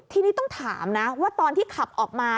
ทีนี้ต้องถามนะว่าตอนที่ขับออกมา